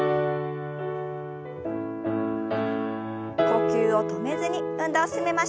呼吸を止めずに運動を進めましょう。